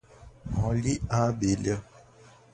olhe a abelha